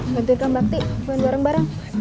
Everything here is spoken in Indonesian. gantiin ke mbak ti mau jorong bareng